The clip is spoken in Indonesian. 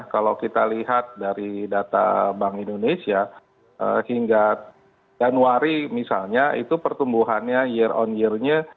kalau kita lihat dari data bank indonesia hingga januari misalnya itu pertumbuhannya year on year nya